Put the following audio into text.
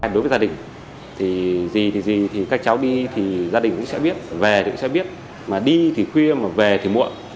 đối với gia đình gì thì gì các cháu đi thì gia đình cũng sẽ biết về thì cũng sẽ biết đi thì khuya về thì muộn